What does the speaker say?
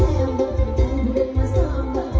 เวลาที่สุดท้าย